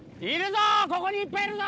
いるぞ